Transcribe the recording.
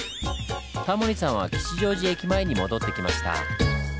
タモリさんは吉祥寺駅前に戻ってきました。